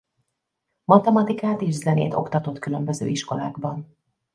Matematikát és zenét oktatott különböző iskolákban.